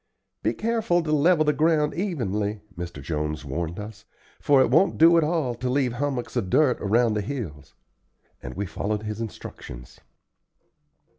"Be careful to level the ground evenly," Mr. Jones warned us, "for it won't do at all to leave hummocks of dirt around the hills;" and we followed his instructions.